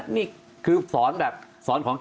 นี่คือสอนแบบสอนของกลาง